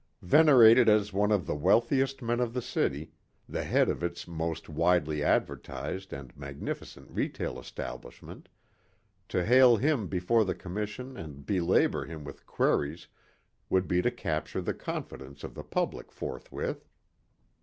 Venerated as one of the wealthiest men of the city, the head of its most widely advertized and magnificent retail establishment, to hail him before the commission and belabor him with queries would be to capture the confidence of the public forthwith.